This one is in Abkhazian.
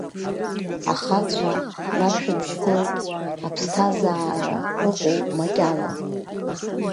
Ахацәа рашәабжь гоит, аԥсҭазаара ыҟоуп макьана.